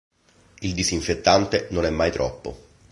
Il disinfettante non è mai troppo.